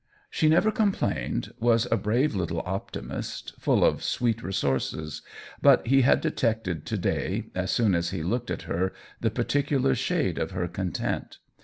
She never complained, was a brave little optimist, full of sweet resources ; but he had detected to day, as soon as he looked at her, the particular shade of her content.